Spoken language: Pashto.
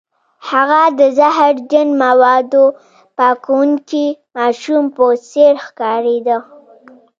هغه د زهرجن موادو پاکوونکي ماشوم په څیر ښکاریده